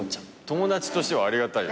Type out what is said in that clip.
友達としてはありがたい。